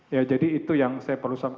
ya jadi itu yang saya perlu sampaikan